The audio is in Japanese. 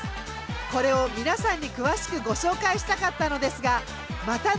これを皆さんに詳しくご紹介したかったのですがまたの機会に。